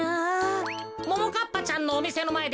ももかっぱちゃんのおみせのまえでくばってたぜ。